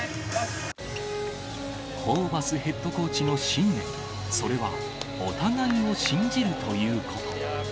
ホーバスヘッドコーチの信念、それは、お互いを信じるということ。